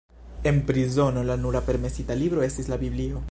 En prizono la nura permesita libro estis la Biblio.